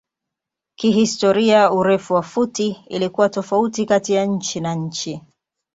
Kihistoria urefu wa futi ilikuwa tofauti kati nchi na nchi.